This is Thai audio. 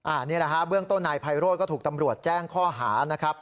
อันนี้แหละฮะเบื้องต้นนายไพโรธก็ถูกตำรวจแจ้งข้อหานะครับ